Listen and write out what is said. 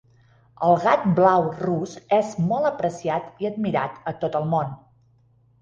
El gat blau rus és molt apreciat i admirat a tot el món.